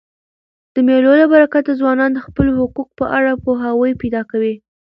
د مېلو له برکته ځوانان د خپلو حقوقو په اړه پوهاوی پیدا کوي.